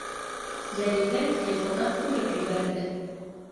Зәлифә хихылдап көлөп ебәрҙе: